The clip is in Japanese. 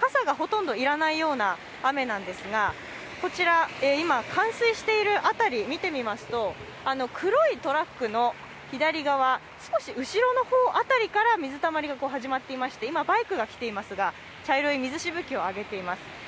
傘がほとんどいらないような雨なんですがこちら、冠水している辺りを見てみますと黒いトラックの左側、少し後ろの方辺りから水たまりが始まっていまして今バイクが来ていますが茶色い水しぶきを上げています。